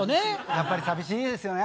やっぱり寂しいですよね。